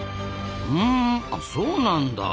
うんそうなんだ。